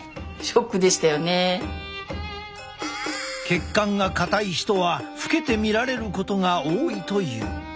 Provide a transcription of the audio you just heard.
血管が硬い人は老けて見られることが多いという。